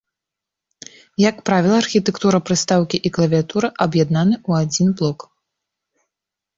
Як правіла, архітэктура прыстаўкі і клавіятура аб'яднаны ў адзін блок.